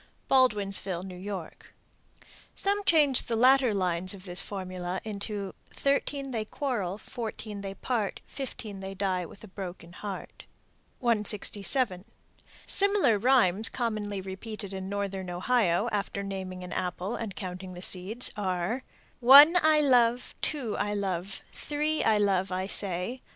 Baldwinsville, N.Y. Some change the latter lines of this formula into Thirteen they quarrel, Fourteen they part, Fifteen they die with a broken heart. 167. Similar rhymes commonly repeated in northern Ohio, after naming an apple and counting the seeds, are, One I love, Two I love, Three I love, I say.